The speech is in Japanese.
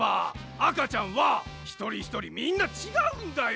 あかちゃんはひとりひとりみんなちがうんだよ！